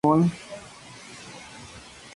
Estos depósitos se llaman "placeres de gemas".